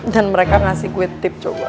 dan mereka ngasih gue tip coba